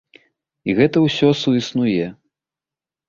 І гэта ўсё суіснуе.